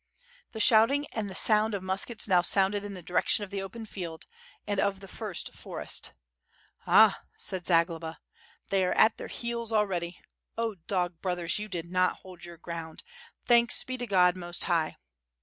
The shouting and the sound of muskets now sounded in the direction of the open field and of the first forest. "Ah!" said Zagloba, "they are at their heels already. Oh, dog brothers you did not hold your ground. Thanks be to Gk)d, most High!"